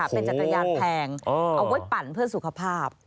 เป็นจักรยานแพงเอาไว้ปั่นเพื่อสุขภาพ